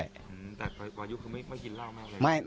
อืมแต่วายุคือไม่กินเหล้ามากเลย